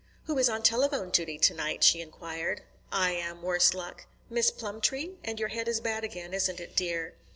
"Who is on telephone duty tonight?" she inquired. "I am, worse luck." "Miss Plumtree? And your head is bad again, isn't it, dear?"